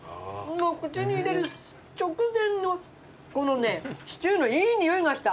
口に入れる直前のシチューのいい匂いがした。